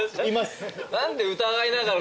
何で疑いながら。